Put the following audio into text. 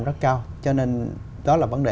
rất cao cho nên đó là vấn đề